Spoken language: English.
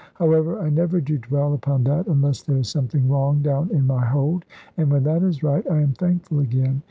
However, I never do dwell upon that, unless there is something wrong down in my hold; and when that is right, I am thankful again.